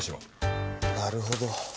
なるほど。